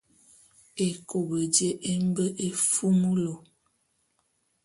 Ékop jé e mbe éfumulu.